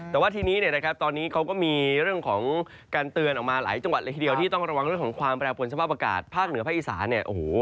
แต่ว่าทีนี้เนี่ยนะครับตอนนี้เขาก็มีเรื่องของการเตือนออกมาหลายจังหวัดเลยทีเดียวที่ต้องระวังเรื่องของความแปรปวนสภาพอากาศภาคเหนือภาคอีสานเนี่ยโอ้โห